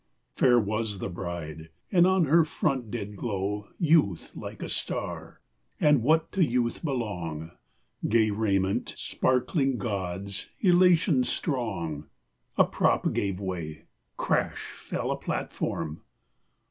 Fair was the bride, and on her front did glow Youth like a star; and what to youth belong, Gay raiment sparkling gauds, elation strong. A prop gave way! crash fell a platform!